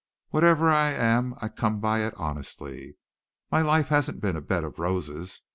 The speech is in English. Whatever I am I come by it honestly. My life hasn't been a bed of roses.